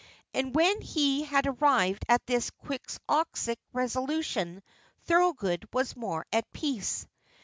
And when he had arrived at this quixotic resolution Thorold was more at peace.